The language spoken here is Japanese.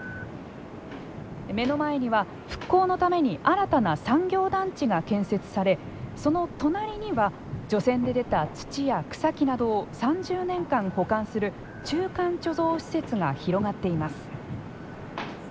目の前には、復興のために新たな産業団地が建設されその隣には、除染で出た土や草木などを３０年間保管する中間貯蔵施設が広がっています。